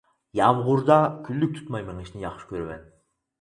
يامغۇردا كۈنلۈك تۇتماي مېڭىشنى ياخشى كۆرىمەن.